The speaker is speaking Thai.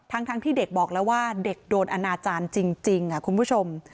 ทั้งที่เด็กบอกแล้วว่าเด็กโดนอนาจารย์จริงคุณผู้ชม